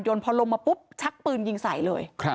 พอลงมาปุ๊บชักปืนยิงใส่เลย